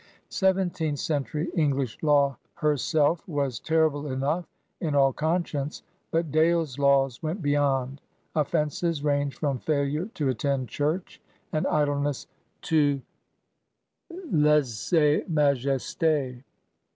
Seventeenth century English law herself was terrible enough in all conscience, but "Dale's Laws went beyond. Offences ranged from failure to attend church and idleness to lise majestS.